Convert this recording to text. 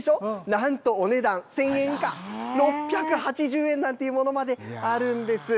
なんとお値段、１０００円以下、６８０円なんていうものまであるんです。